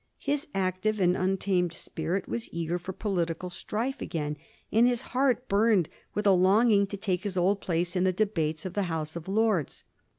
His active and untamed spirit was eager for political strife again ; and his heart burned with a longing to take his old place in the debates of the House of Lords.